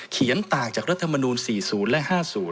เขียนต่างจากรัฐธรรมนูญ๔๐และ๕๐